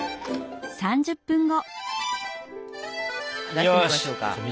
出してみましょうか。